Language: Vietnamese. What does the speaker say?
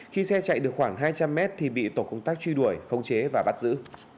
khi xe chạy được khoảng hai trăm linh mét thì bị tổ công tác truy đuổi khống chế và bắt giữ